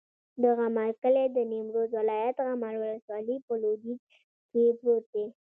د غمال کلی د نیمروز ولایت، غمال ولسوالي په لویدیځ کې پروت دی.